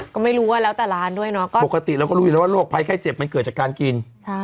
ก็ไม่รู้ว่าแล้วแต่ร้านด้วยเนาะก็ปกติเราก็รู้อยู่แล้วว่าโรคภัยไข้เจ็บมันเกิดจากการกิน